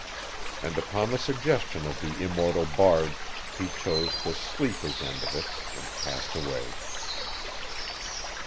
And upon the suggestion of the immortal bard he chose the sleeper's end of it and passed away.